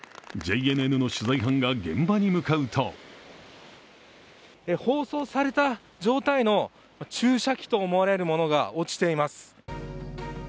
ＪＮＮの取材班が現場に向かうと包装された状態の注射器と思われるものが落ちています。